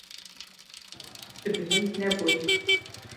Tu bilind nebûyî.